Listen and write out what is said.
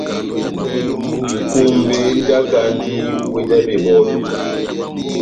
Nʼkombé mújakandi wéh já bebɔdu.